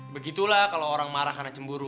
begitulah kalau orang marah karena cemburu